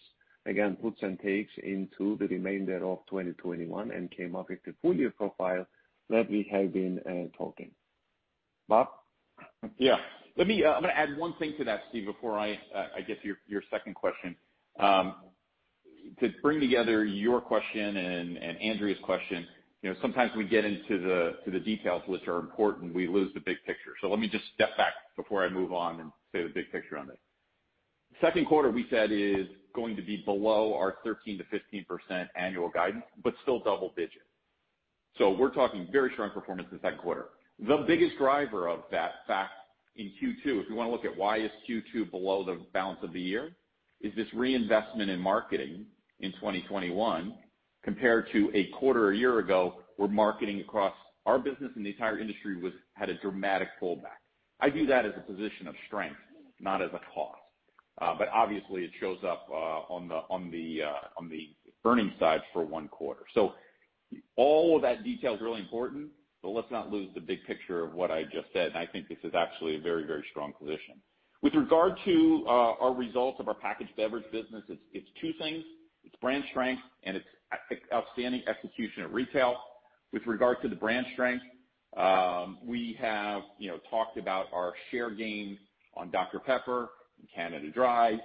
[SPEAKER 4] again, puts and takes into the remainder of 2021 and came up with the full year profile that we have been talking. Bob?
[SPEAKER 3] I'm going to add one thing to that, Steve, before I get to your second question. To bring together your question and Andrea's question. Sometimes we get into the details which are important, we lose the big picture. Let me just step back before I move on and say the big picture on this. Second quarter we said is going to be below our 13%-15% annual guidance, but still double digits. We're talking very strong performance this second quarter. The biggest driver of that fact in Q2, if we want to look at why is Q2 below the balance of the year, is this reinvestment in marketing in 2021 compared to a quarter a year ago, where marketing across our business and the entire industry had a dramatic pullback. I view that as a position of strength, not as a cost. Obviously, it shows up on the earnings side for one quarter. All of that detail is really important, but let's not lose the big picture of what I just said. I think this is actually a very, very strong position. With regard to our results of our packaged beverage business, it's two things. It's brand strength, and it's outstanding execution at retail. With regard to the brand strength, we have talked about our share gains on Dr Pepper and Canada Dry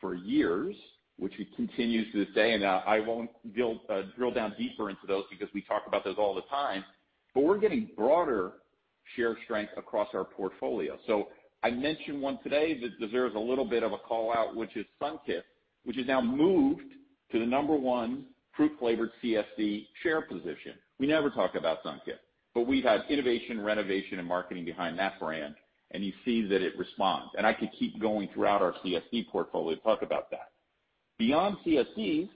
[SPEAKER 3] for years, which continues to this day, and I won't drill down deeper into those because we talk about those all the time. We're getting broader share strength across our portfolio. I mentioned one today that deserves a little bit of a call-out, which is Sunkist, which has now moved to the number one fruit-flavored CSD share position. We never talk about Sunkist, but we've had innovation, renovation, and marketing behind that brand, and you see that it responds. I could keep going throughout our CSD portfolio to talk about that. Beyond CSDs,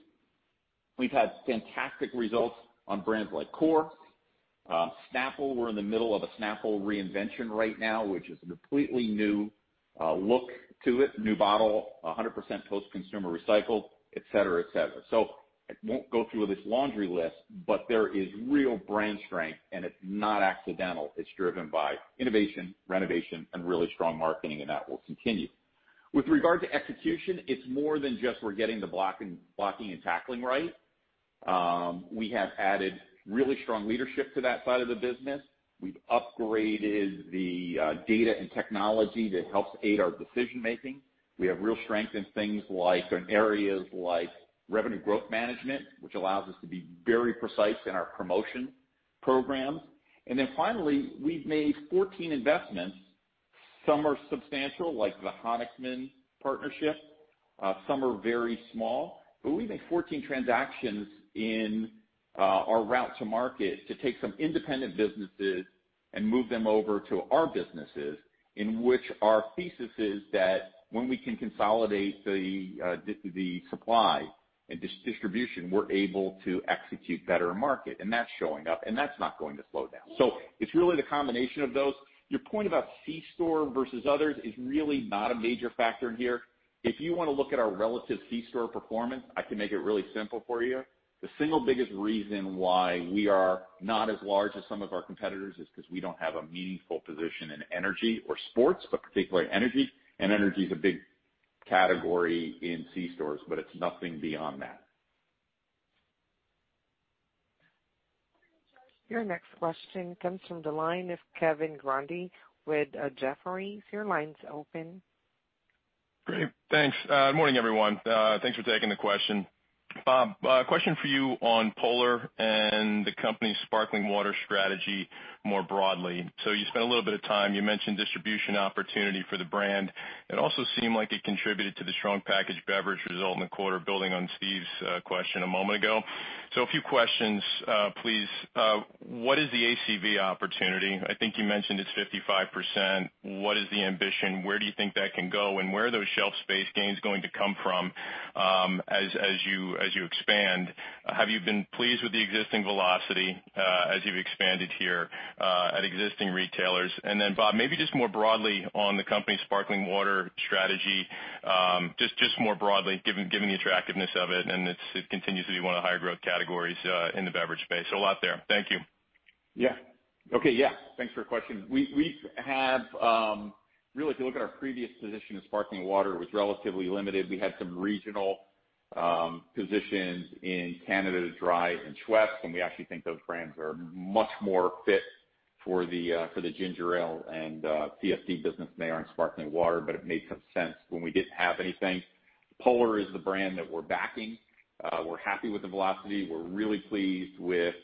[SPEAKER 3] we've had fantastic results on brands like CORE Hydration. Snapple, we're in the middle of a Snapple reinvention right now, which is a completely new look to it, new bottle, 100% post-consumer recycled, et cetera. I won't go through this laundry list, but there is real brand strength, and it's not accidental. It's driven by innovation, renovation, and really strong marketing, and that will continue. With regard to execution, it's more than just we're getting the blocking and tackling right. We have added really strong leadership to that side of the business. We've upgraded the data and technology that helps aid our decision-making. We have real strength in areas like revenue growth management, which allows us to be very precise in our promotion programs. Finally, we've made 14 investments. Some are substantial, like the Honickman partnership. Some are very small. We made 14 transactions in our route to market to take some independent businesses and move them over to our businesses, in which our thesis is that when we can consolidate the supply and distribution, we're able to execute better in market, and that's showing up, and that's not going to slow down. It's really the combination of those. Your point about C-store versus others is really not a major factor here. If you want to look at our relative C-store performance, I can make it really simple for you. The single biggest reason why we are not as large as some of our competitors is because we don't have a meaningful position in energy or sports, but particularly energy. Energy is a big category in C-stores, but it's nothing beyond that.
[SPEAKER 1] Your next question comes from the line of Kevin Grundy with Jefferies. Your line's open.
[SPEAKER 11] Great. Thanks. Morning, everyone. Thanks for taking the question. Bob, question for you on Polar and the company's sparkling water strategy more broadly. You spent a little bit of time, you mentioned distribution opportunity for the brand. It also seemed like it contributed to the strong packaged beverage result in the quarter, building on Steve's question a moment ago. A few questions, please. What is the ACV opportunity? I think you mentioned it's 55%. What is the ambition? Where do you think that can go? Where are those shelf space gains going to come from as you expand? Have you been pleased with the existing velocity as you've expanded here at existing retailers? Bob, maybe just more broadly on the company's sparkling water strategy. Just more broadly, given the attractiveness of it, and it continues to be one of the higher growth categories in the beverage space. A lot there. Thank you.
[SPEAKER 3] Yeah. Okay. Yeah. Thanks for your question. We have, if you look at our previous position in sparkling water, it was relatively limited. We had some regional positions in Canada Dry and Schweppes, we actually think those brands are much more fit for the ginger ale and CSD business than they are in sparkling water, it made some sense when we didn't have anything. Polar is the brand that we're backing. We're happy with the velocity. We're really pleased with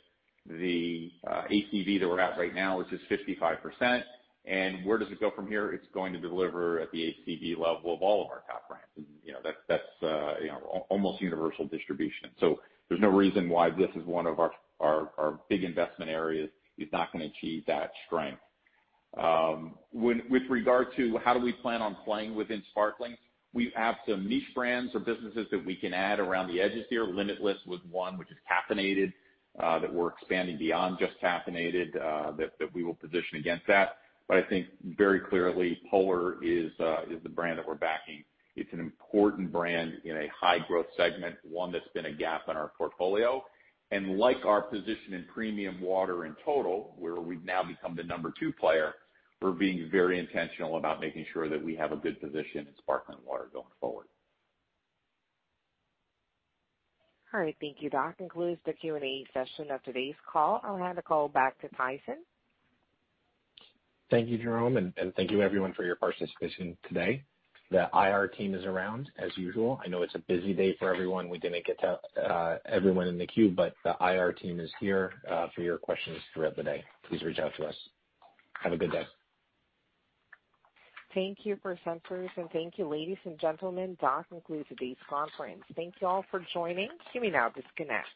[SPEAKER 3] the ACV that we're at right now, which is 55%. Where does it go from here? It's going to deliver at the ACV level of all of our top brands. That's almost universal distribution. There's no reason why this is one of our big investment areas is not going to achieve that strength. With regard to how do we plan on playing within sparkling, we have some niche brands or businesses that we can add around the edges here. Limitless was one which is caffeinated that we're expanding beyond just caffeinated that we will position against that. I think very clearly, Polar is the brand that we're backing. It's an important brand in a high-growth segment, one that's been a gap in our portfolio. Like our position in premium water in total, where we've now become the number two player, we're being very intentional about making sure that we have a good position in sparkling water going forward.
[SPEAKER 1] All right. Thank you. That concludes the Q&A session of today's call. I'll hand the call back to Tyson.
[SPEAKER 2] Thank you, Jerome, and thank you everyone for your participation today. The IR team is around, as usual. I know it's a busy day for everyone. We didn't get to everyone in the queue, but the IR team is here for your questions throughout the day. Please reach out to us. Have a good day.
[SPEAKER 1] Thank you for presenters and thank you, ladies and gentlemen. That concludes today's conference. Thank you all for joining. You may now disconnect.